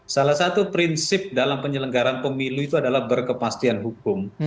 salah satu prinsip dalam penyelenggaran pemilu itu adalah berkepastian hukum